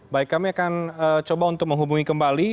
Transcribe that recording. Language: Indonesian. baik kami akan coba untuk menghubungi kembali